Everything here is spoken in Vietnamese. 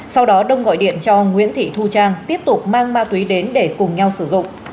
sau đó đông gọi điện cho nguyễn thị thu trang tiếp tục mang ma túy đến để cùng nhau sử dụng